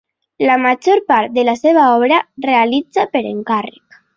La major part de la seva obra realitza per encàrrec.